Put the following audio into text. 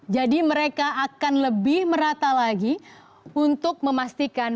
jadi mereka akan lebih merata lagi untuk memastikan